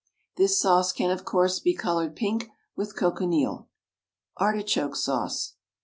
This sauce can, of course, be coloured pink with cochineal. ARTICHOKE SAUCE.